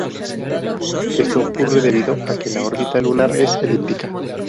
Esto ocurre debido a que la órbita lunar es elíptica.